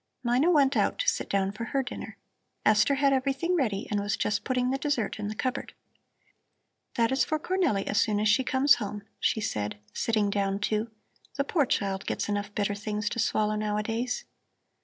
Mina went out to sit down for her dinner. Esther had everything ready and was just putting the dessert in the cupboard. "That is for Cornelli as soon as she comes home," she said, sitting down, too; "the poor child gets enough bitter things to swallow nowadays."